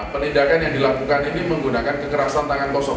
penindakan yang dilakukan ini menggunakan kekerasan tangan kosong